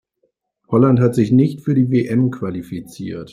Holland hat sich nicht für die WM qualifiziert.